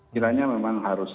kiranya memang harus